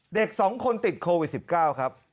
เด็ก๒คนติดโควิด๑๙ครับ